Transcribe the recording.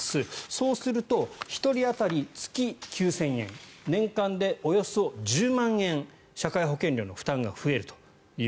そうすると１人当たり月９０００円年間でおよそ１０万円社会保険料の負担が増えると。